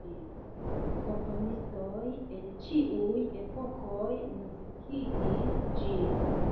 Komponistoj el ĉiuj epokoj muzikigis ĝin.